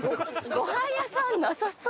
ごはん屋さんなさそう。